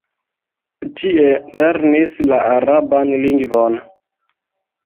Tie lernis la araban lingvon.